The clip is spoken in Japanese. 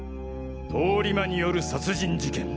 通り魔による殺人事件。